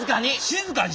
静かに。